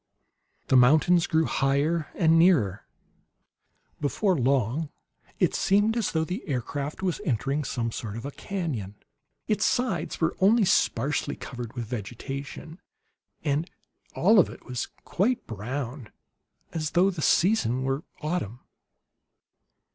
The mountains grew higher and nearer. Before long it seemed as though the aircraft was entering some sort of a canon. Its sides were only sparsely covered with vegetation, and all of it was quite brown, as though the season were autumn.